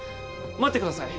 待ってください